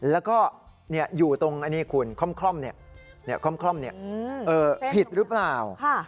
แล้วก็อยู่ตรงอันนี้คุณคล่อมคล่อมผิดหรือเปล่า